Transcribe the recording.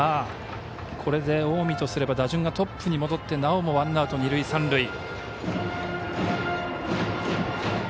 これで、近江とすれば打順がトップに戻ってなおもワンアウト、二塁三塁。